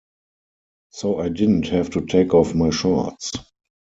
So I didn't have to take off my shorts.